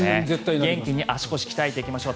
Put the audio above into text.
元気に足腰鍛えていきましょう。